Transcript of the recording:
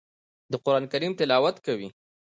د قران کریم تلاوت کوي.